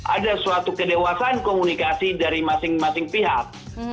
ada suatu kedewasaan komunikasi dari masing masing pihak